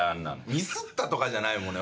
ミスったとかじゃないもんね。